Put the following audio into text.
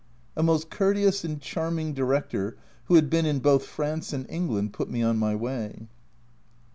A most courteous and charming Director, who had been in both France and England, put me on my way.